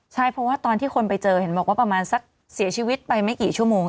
ใช่เพราะว่าตอนที่คนไปเจอเห็นบอกว่าประมาณสักเสียชีวิตไปไม่กี่ชั่วโมง